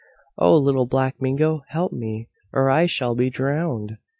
Oh Little Black Mingo, help me or I shall be drowned."